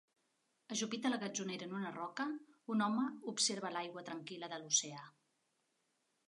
Ajupit a la gatzoneta en una roca, un home observa l'aigua tranquil·la de l'oceà